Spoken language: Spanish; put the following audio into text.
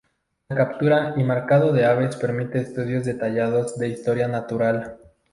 La captura y marcado de aves permite estudios detallados de historia natural.